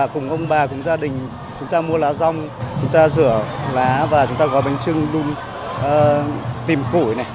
cùng ông bà cùng gia đình chúng ta mua lá rong chúng ta rửa lá và chúng ta gói bánh trưng đun tìm củi này